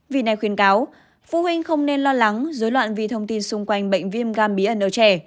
vì này khuyến cáo phụ huynh không nên lo lắng dối loạn vì thông tin xung quanh bệnh viêm gan bí ẩn ở trẻ